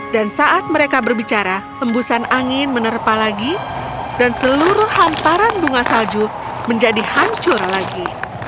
dan saat mereka berbicara embusan angin menerpa lagi dan seluruh hantaran bunga salju menjadi hancur lagi